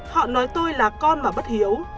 họ nói tôi là con mà bất hiếu